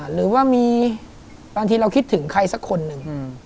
หรือว่ามีบางทีเราคิดถึงใครสักคนหนึ่ง